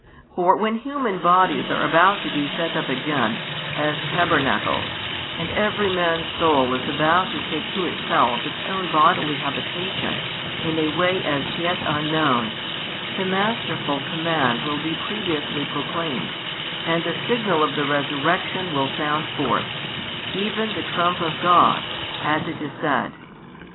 For when human bodies are about to be set up again, as tabernacles, and every man's soul is about to take to itself its own bodily habitation in a way as yet unknown, the masterful command will be previously proclaimed, and the signal of the resurrection will sound forth, even the trump of God, as it is said.